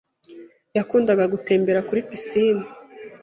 yakundaga gutembera kuri pisine.